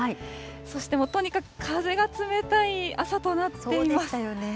そして、もうとにかく風が冷たい朝となっています。